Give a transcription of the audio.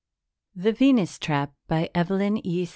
The Venus Trap By EVELYN E.